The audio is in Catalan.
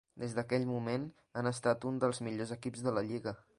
Des d'aquell moment, han estat un dels millors equips de la lliga.